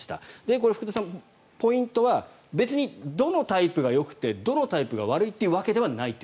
これ、福田さん、ポイントは別にどのタイプがよくてどのタイプが悪いというわけではないと。